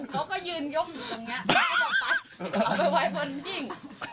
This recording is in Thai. เขาก็ยืนยกอยู่ตรงนี้แล้วก็จะปั๊ดเอาไปไว้บนจิ้ง